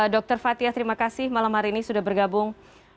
dr fathia terima kasih malam hari ini sudah bergabung